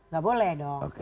gak boleh dong